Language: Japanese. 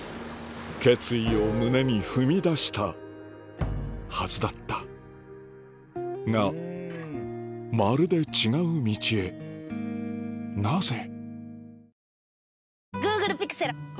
決意を胸に踏みだしたはずだったがまるで違う道へなぜ？